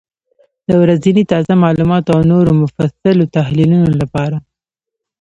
د ورځني تازه معلوماتو او نورو مفصلو تحلیلونو لپاره،